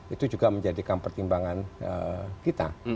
itu juga menjadikan pertimbangan kita